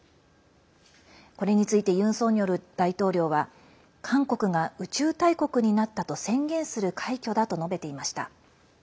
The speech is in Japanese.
これについてユン・ソンニョル大統領は韓国が宇宙大国になったと宣言する快挙だと述べていました。